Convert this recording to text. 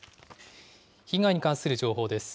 被害に関する情報です。